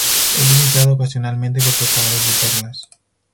Es visitado ocasionalmente por pescadores de perlas.